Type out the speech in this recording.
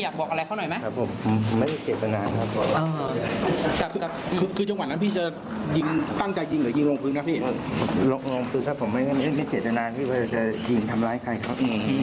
ลงพื้นครับผมไม่ได้เศรษฐนาที่ว่าจะยิงทำร้ายใครครับ